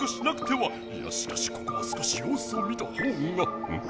いやしかしここは少しようすを見たほうがん？